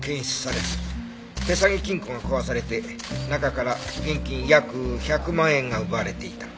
手提げ金庫が壊されて中から現金約１００万円が奪われていた。